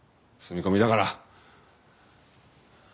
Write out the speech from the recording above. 住み込みだから。